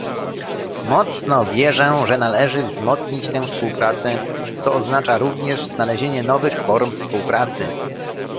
Mocno wierzę, że należy wzmocnić tę współpracę, co oznacza również znalezienie nowych form współpracy